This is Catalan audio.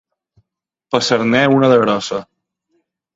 Passar-ne una de grossa.